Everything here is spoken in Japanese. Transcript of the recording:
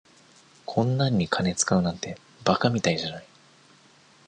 こんなんに金使うなんて馬鹿みたいじゃない。